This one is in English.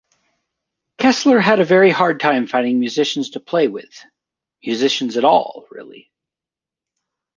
Kessler had a very hard time finding musicians to play with-musicians at all, really.